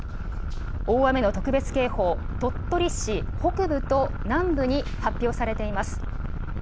大雨の特別警報、鳥取市北部と南部に発表されています。